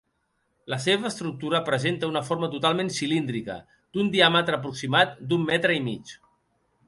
La seva estructura presenta una forma totalment cilíndrica d'un diàmetre aproximat d'un metre i mig.